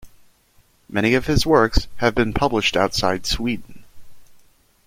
Many of his works have been published outside Sweden.